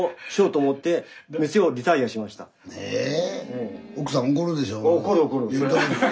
ええ？